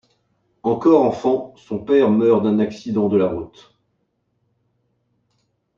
Encore enfant, son père meurt d'un accident de la route.